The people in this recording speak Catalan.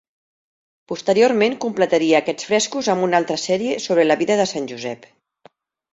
Posteriorment completaria aquests frescos amb una altra sèrie sobre la vida de Sant Josep.